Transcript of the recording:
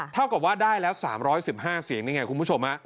เท่ากับว่าได้แล้ว๓๑๕เสียงนี่ไงคุณผู้ชม